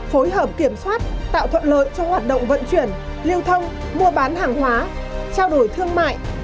phối hợp kiểm soát tạo thuận lợi cho hoạt động vận chuyển lưu thông mua bán hàng hóa trao đổi thương mại